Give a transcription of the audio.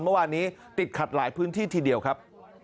เมื่อวานนี้ติดขัดหลายพื้นที่ทีเดียวครับ